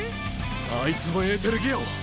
あいつもエーテルギアを！